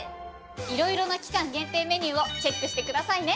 色々な期間限定メニューをチェックしてくださいね！